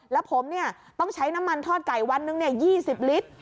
แล้วผมเนี่ยต้องใช้น้ำมันทอดไก่วันนึงเนี่ย๒๐ลิตร